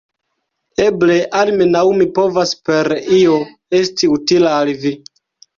Eble almenaŭ mi povas per io esti utila al vi.